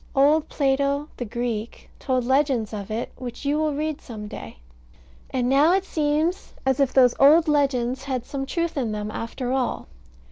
Old Plato, the Greek, told legends of it, which you will read some day; and now it seems as if those old legends had some truth in them, after all.